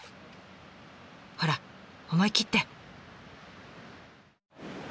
ほら思い切って！